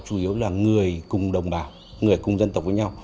chủ yếu là người cùng đồng bào người cùng dân tộc với nhau